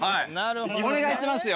お願いしますよ。